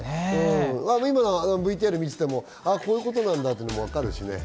ＶＴＲを見てても、こういうことなんだっていうのもわかるし。